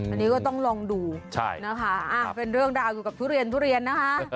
อันนี้ก็ต้องลองดูใช่เป็นเรื่องราวอยู่กับทุเรียนนะคะ